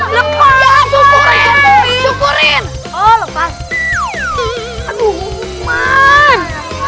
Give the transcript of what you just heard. lukman lukman lukman lukman